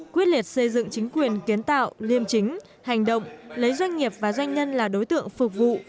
quyết liệt xây dựng chính quyền kiến tạo liêm chính hành động lấy doanh nghiệp và doanh nhân là đối tượng phục vụ